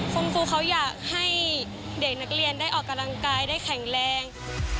คุณครูเขาอยากให้เด็กนักเรียนได้ออกกำลังกายได้แข็งแรง